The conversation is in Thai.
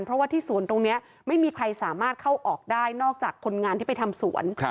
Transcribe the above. เพราะว่าที่สวนตรงนี้ไม่มีใครสามารถเข้าออกได้นอกจากคนงานที่ไปทำสวน